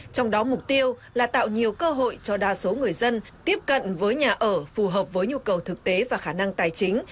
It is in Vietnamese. trong đó mục tiêu là tạo nhiều cơ hội cho đa số người dân tiếp cận với nhà ở phù hợp với nhu cầu thực tế và khả năng tài chính